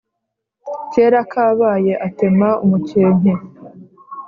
kera kabaye atema umukenke